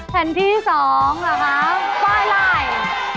แผ่นที่๒หรือครับ